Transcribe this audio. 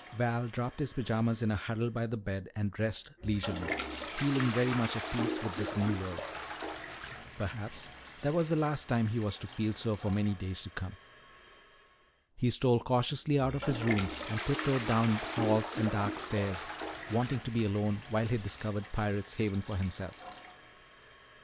Val dropped his pajamas in a huddle by the bed and dressed leisurely, feeling very much at peace with this new world. Perhaps that was the last time he was to feel so for many days to come. He stole cautiously out of his room and tiptoed down halls and dark stairs, wanting to be alone while he discovered Pirate's Haven for himself.